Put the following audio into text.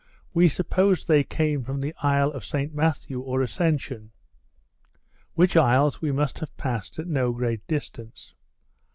We supposed they came from the isle of St Matthew, or Ascension; which isles we must have passed at no great distance.